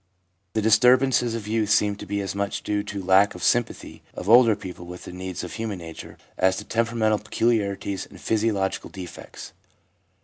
The disturbances of youth seem to be as much due to lack of sympathy of older people with the needs of human nature as to temperamental peculiarities and physiological defects.